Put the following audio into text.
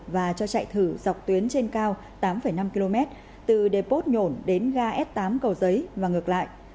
và cho chạy thử dọc tuyến trên cao tám năm km từ depot nhổn đến ga s tám cầu giấy và ngược lại